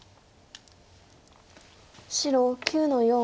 白９の四。